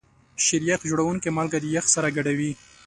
شیریخ جوړونکي مالګه د یخ سره ګډوي.